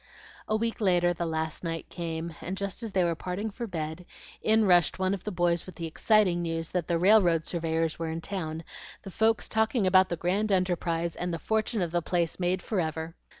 A week later the last night came, and just as they were parting for bed, in rushed one of the boys with the exciting news that the railroad surveyors were in town, the folks talking about the grand enterprise, and the fortune of the place made forever.